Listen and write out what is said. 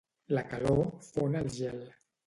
La calor fon el gel.